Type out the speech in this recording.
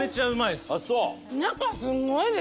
中すごいね！